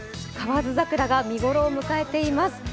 河津桜が見頃を迎えています。